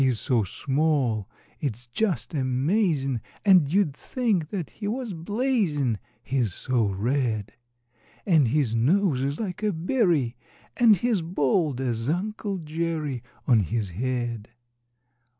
"] He's so small, it's just amazin', And you 'd think that he was blazin', He's so red; And his nose is like a berry, And he's bald as Uncle Jerry On his head.